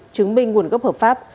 chứng minh nguồn gốc hợp pháp